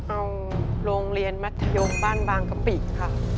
เอาโรงเรียนมัธยมบ้านบางกะปิค่ะ